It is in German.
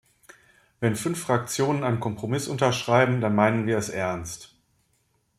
Wenn fünf Fraktionen einen Kompromiss unterschreiben, dann meinen wir es ernst!